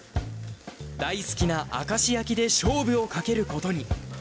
大好きな明石焼きで勝負をかけることに。